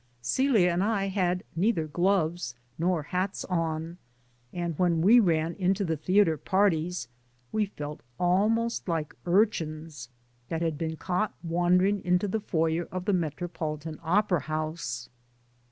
Celia and I had neither gloves nor hats on, and when we ran into the theater parties, we felt al most like urchins that had been caught wander ing into the foyer of the Metropolitan Opera House.